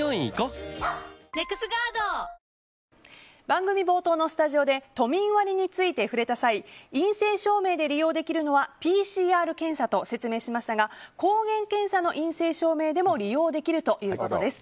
番組冒頭のスタジオで都民割について触れた際陰性証明で利用できるのはＰＣＲ検査と説明しましたが抗原検査の陰性証明でも利用できるということです。